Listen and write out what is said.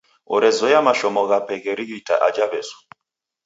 Orezoya mashomo ghape gherighita aja W'esu.